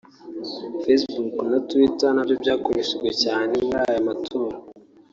Facebook na Twitter nabyo byakoreshejwe cyane muri aya matora